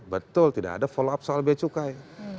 betul tidak ada follow up soal biaya cukai